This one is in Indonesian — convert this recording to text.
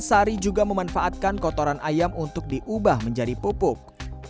sari juga memanfaatkan kotoran ayam untuk diubah menjadi pupuk